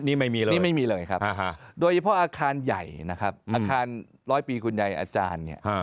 นี่ไม่มีเลยครับโดยเฉพาะอาคารใหญ่อาคารร้อยปีคุณใยอาจารย์